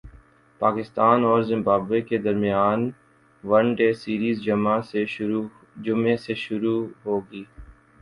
پاکستان اور زمبابوے کے درمیان ون ڈے سیریز جمعہ سے شروع ہوگی